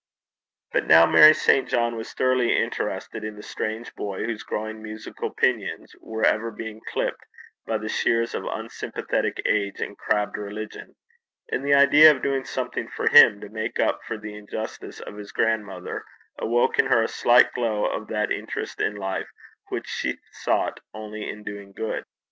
But now Mary St. John was thoroughly interested in the strange boy whose growing musical pinions were ever being clipped by the shears of unsympathetic age and crabbed religion, and the idea of doing something for him to make up for the injustice of his grandmother awoke in her a slight glow of that interest in life which she sought only in doing good.